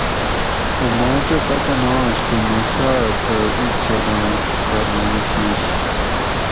خو ماکہ پتہ نہ آش کو موسیٰ ھہ تہ ایں چھلان کارنامہ کیش